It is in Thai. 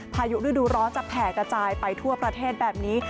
พายุฤดูร้อนจะแผ่กระจายไปทั่วประเทศแบบนี้